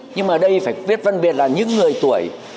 nhưng mà đây phải viết phân biệt là những người tuổi